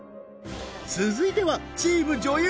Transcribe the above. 続いてはチーム女優